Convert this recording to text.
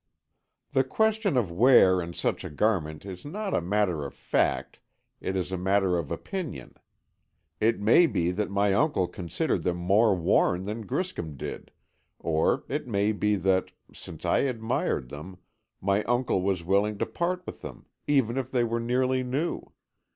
"The question of wear in such a garment is not a matter of fact, it is a matter of opinion. It may be that my uncle considered them more worn than Griscom did, or it may be that, since I admired them, my uncle was willing to part with them, even if they were nearly new.